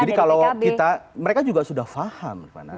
jadi kalau kita mereka juga sudah paham